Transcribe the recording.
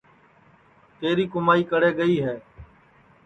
تیری کُمائی کڑے گئی ہے